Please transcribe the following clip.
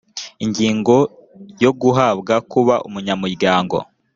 ingingo ya guhabwa kuba umunyamuryango